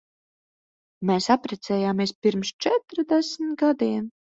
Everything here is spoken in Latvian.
Mēs apprecējāmies pirms četrdesmit gadiem.